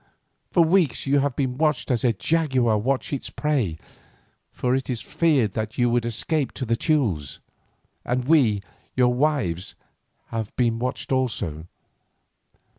For weeks you have been watched as a jaguar watches its prey, for it was feared that you would escape to the Teules, and we, your wives, have been watched also.